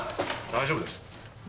大丈夫です。